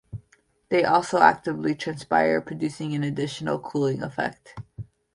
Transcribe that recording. They also actively transpire, producing an additional cooling effect.